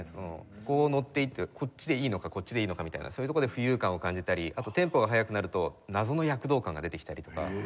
こうのっていってこっちでいいのかこっちでいいのかみたいなそういうとこで浮遊感を感じたりあとテンポが速くなると謎の躍動感が出てきたりとか。